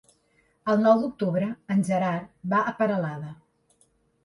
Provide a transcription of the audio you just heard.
El nou d'octubre en Gerard va a Peralada.